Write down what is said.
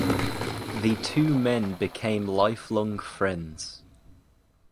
The two men became lifelong friends.